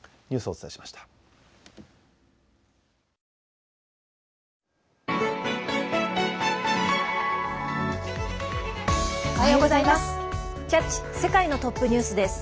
おはようございます。